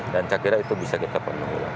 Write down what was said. dan saya kira itu bisa kita penuhi